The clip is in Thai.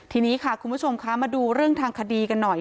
ทีนี้ค่ะคุณผู้ชมคะมาดูเรื่องทางคดีกันหน่อย